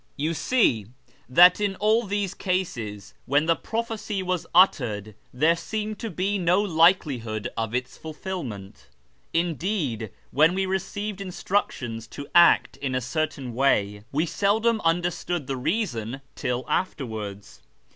" You see that in all these cases when the prophecy was uttered there seemed to be no likelihood of its fulfilment ; indeed, when we received instructions to act in a certain way, we seldom understood the reason till afterwards.